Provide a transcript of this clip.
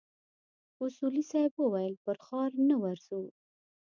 اصولي صیب وويل پر ښار نه ورځو.